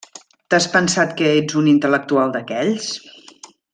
T’has pensat que ets un intel·lectual d’aquells?